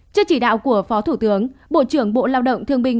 trước chỉ đạo của phó thủ tướng bộ trưởng bộ lao động thương binh